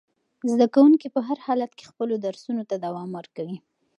زده کوونکي په هر حالت کې خپلو درسونو ته دوام ورکوي.